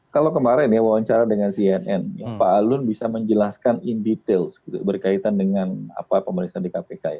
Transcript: kalau kemarin ya wawancara dengan cnn pak alun bisa menjelaskan in detail berkaitan dengan pemeriksaan di kpk ya